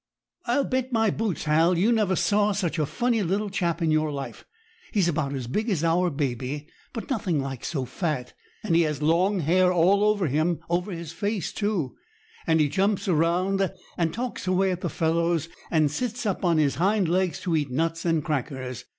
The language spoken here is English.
"I'll bet my boots, Hal, you never saw such a funny little chap in your life. He is about as big as our baby, but nothing like so fat, and he has long hair all over him—over his face too—and he jumps around, and talks away at the fellows, and sits up on his hind legs to eat nuts and crackers.